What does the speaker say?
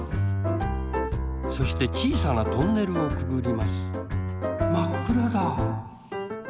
そしてちいさなトンネルをくぐりますまっくらだ。